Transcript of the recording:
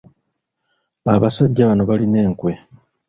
Abasajja bano balina enkwe.